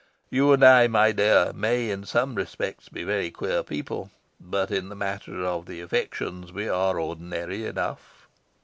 You and I, my dear, may in some respects be very queer people, but in the matter of the affections we are ordinary enough."